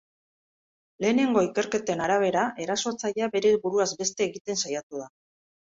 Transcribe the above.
Lehenengo ikerketen arabera, erasotzailea bere buruaz beste egiten saiatu da.